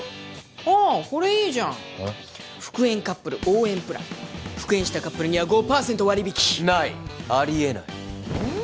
ああこれいいじゃん復縁カップル応援プラン復縁したカップルには５パーセント割引きないありえないうん